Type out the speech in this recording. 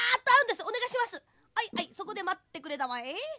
「はいはいそこでまってくれたまえ」。